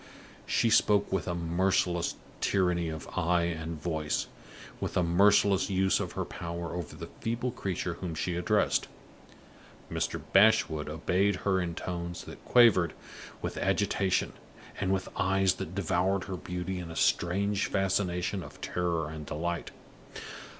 She spoke with a merciless tyranny of eye and voice with a merciless use of her power over the feeble creature whom she addressed. Mr. Bashwood obeyed her in tones that quavered with agitation, and with eyes that devoured her beauty in a strange fascination of terror and delight.